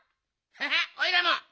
ハハッおいらも！